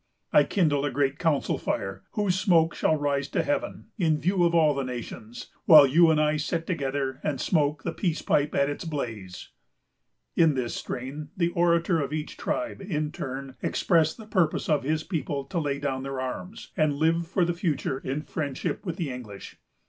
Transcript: I kindle a great council fire, whose smoke shall rise to heaven, in view of all the nations; while you and I sit together and smoke the peace pipe at its blaze." In this strain, the orator of each tribe, in turn, expressed the purpose of his people to lay down their arms, and live for the future in friendship with the English.